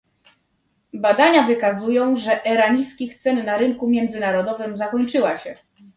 Badania wykazują, że era niskich cen na rynku międzynarodowym zakończyła się